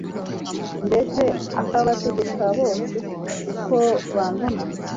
mbese akabategeka bose uko bangana